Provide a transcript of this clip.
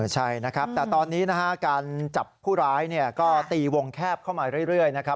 ใช่นะครับแต่ตอนนี้นะฮะการจับผู้ร้ายก็ตีวงแคบเข้ามาเรื่อยนะครับ